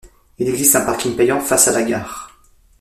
Il existe un parking payant face à la gare.